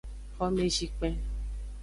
Xomezikpen.